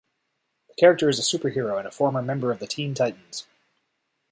The character is a superhero and a former member of the Teen Titans.